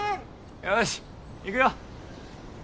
よしいくよ！